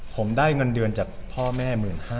ผมได้เงินเดือนจากพ่อแม่๑๕๐๐